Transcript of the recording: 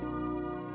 tidak ada apa apa